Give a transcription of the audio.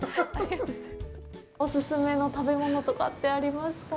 お勧めの食べ物とかってありますか。